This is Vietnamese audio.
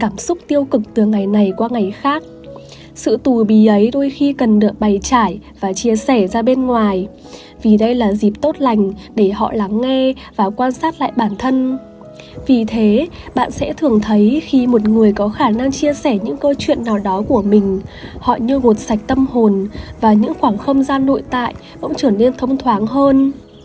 với một lập trình cảm xúc tiêu cực từ ngày này qua ngày khác sự tù bì ấy đôi khi cần được bày trải và chia sẻ ra bên ngoài vì đây là dịp tốt lành để họ lắng nghe và quan sát lại bản thân vì thế bạn sẽ thường thấy khi một người có khả năng chia sẻ những câu chuyện nào đó của mình họ như gột sạch tâm hồn và những khoảng không gian nội tại cũng trở nên thông thoáng hơn